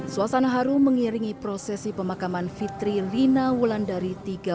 suasana haru mengiringi prosesi pemakaman fitri lina wulandari